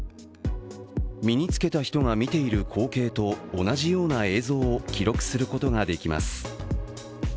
身に着けた人が見ている光景と同じような映像を記録することができます。